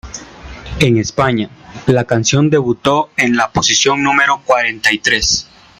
En España, la canción debutó en la posición número cuarenta y tres.